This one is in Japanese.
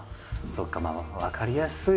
そうかまあ分かりやすい。